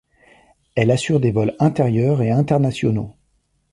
Elle assure des vols, intérieurs et internationaux.